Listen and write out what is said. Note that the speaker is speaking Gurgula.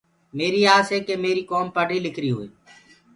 ميري آس هي ڪي ميري ڪوم پڙريٚ لکريٚ هوئي۔